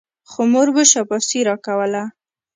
خو مور به شاباسي راکوله.